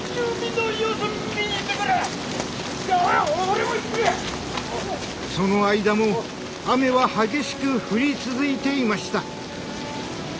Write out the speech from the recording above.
もうその間も雨は激しく降り続いていました。